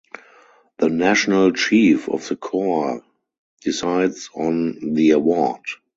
The national chief of the corps decides on the award.